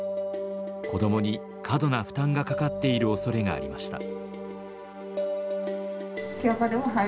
子どもに過度な負担がかかっているおそれがありました。